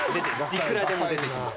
いくらでも出てきます。